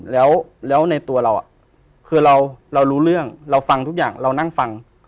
แล้วในตัวเราคือเรารู้เรื่องเราฟังทุกอย่างเรานั่งฟัง